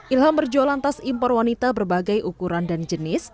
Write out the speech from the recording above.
ilham berjualan tas impor wanita berbagai ukuran dan jenis